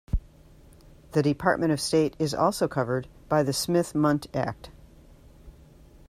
The Department of State is also covered by the Smith-Mundt Act.